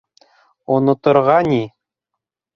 Оноторға ни...